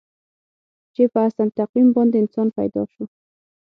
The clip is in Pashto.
چې په احسن تقویم باندې انسان پیدا شو.